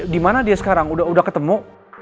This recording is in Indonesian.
dimana dia sekarang udah ketemu